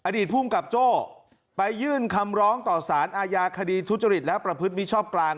อดีตภูมิกับโจ้ไปยื่นคำร้องต่อสารอาญาคดีทุจริตและประพฤติมิชชอบกลาง